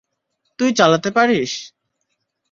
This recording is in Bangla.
তুই চালাতে পারিস?